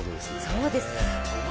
そうです